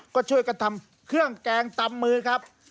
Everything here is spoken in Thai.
ก็ช่วยกันทำเครื่องแกงตำมือครับ